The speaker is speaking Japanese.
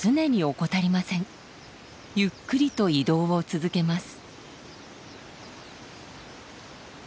ゆっくりと移動を続けます。